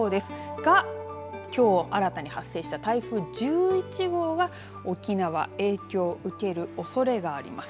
が、きょう新たに発生した台風１１号が沖縄影響を受けるおそれがあります。